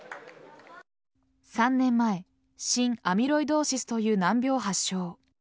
３年前心アミロイドーシスという難病を発症。